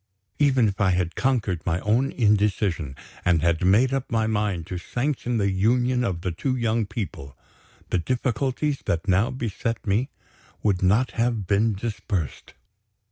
Even if I had conquered my own indecision, and had made up my mind to sanction the union of the two young people, the difficulties that now beset me would not have been dispersed.